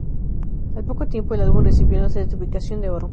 Al poco tiempo el álbum recibió la certificación de oro.